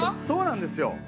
そうなんですよ。